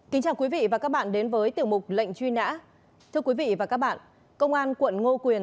kính chào quý vị và các bạn đến với tiểu mục lệnh truy nã thưa quý vị và các bạn công an quận ngô quyền